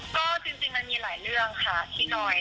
ก็จริงมันมีหลายเรื่องค่ะพี่หน่อย